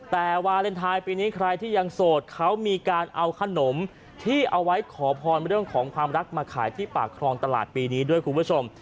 แต่วาเลนไทยปีนี้ใครที่ยังโสดเขามีการเอาขนมที่เอาไว้ขอพรเรื่องของความรักมาขายที่ปากครองตลาดปีนี้ด้วยคุณผู้ชม